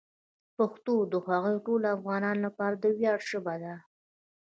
پښتو د هغو ټولو افغانانو لپاره د ویاړ ژبه ده.